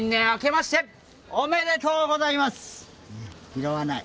拾わない。